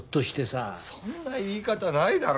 そんな言い方ないだろ。